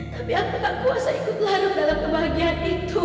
tapi aku tak kuasa ikut larut dalam kebahagiaan itu